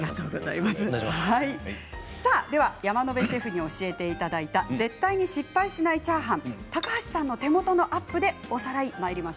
山野辺シェフに教えていただいた、絶対失敗しないチャーハン高橋さんの手元アップでおさらいです。